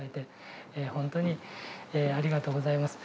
ほんとにありがとうございます。